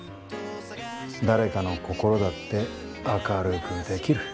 誰かの心だって明るくできる。